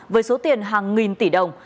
với số tiền hàng nghìn tỷ đồng